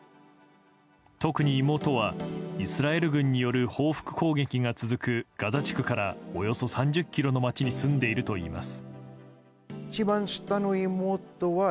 特に妹は、イスラエル軍による報復攻撃が続くガザ地区からおよそ３０ｋｍの街に住んでいるといいます。